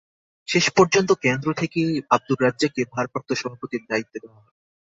শেষ পর্যন্ত কেন্দ্র থেকে আবদুর রাজ্জাককে ভারপ্রাপ্ত সভাপতির দায়িত্ব দেওয়া হয়।